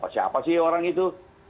siapa sih orang itu